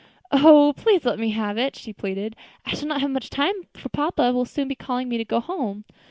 "Oh! please let me have it," she pleaded. "I shall not have much time, for papa will soon be calling me to go home."